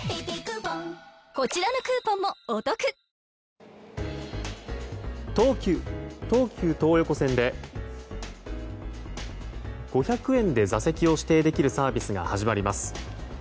はぁ東急東横線で５００円で座席を指定できるサービスが始まります。